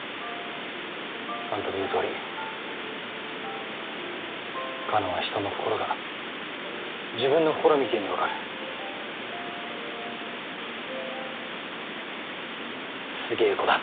あんたの言うとおりカナは人の心が自分の心みてえに分かるすげえ子だ。